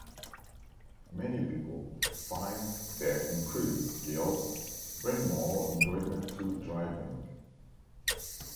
Many people find their increased skills bring more enjoyment to driving.